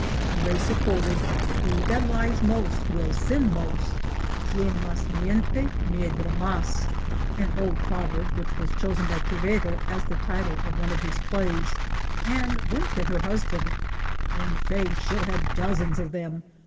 Teresa quoted: He that lies most will sin most" 204 The Morena {Quien mas mientey medra mas)y an old proverb which was chosen by Quevedo as the title of one of his plays ; and winked at her husband, " in faith she'll have dozens of them.